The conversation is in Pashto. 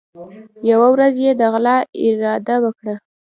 یوه ورځ یې د غلا اراده وکړه.